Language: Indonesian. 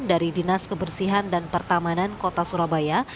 dari dinas kebersihan dan pertamanan kota surabaya